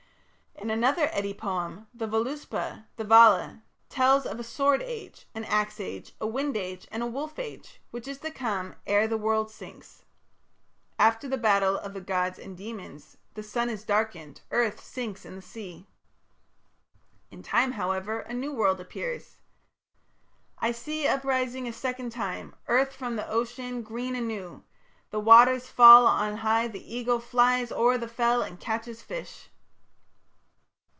In another Eddie poem, the Voluspa, the Vala tells of a Sword Age, an Axe Age, a Wind Age, and a Wolf Age which is to come "ere the world sinks". After the battle of the gods and demons, The sun is darkened, earth sinks in the sea. In time, however, a new world appears. I see uprising a second time Earth from the Ocean, green anew; The waters fall, on high the eagle Flies o'er the fell and catches fish.